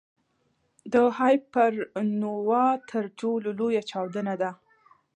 د هایپرنووا تر ټولو لویه چاودنه ده.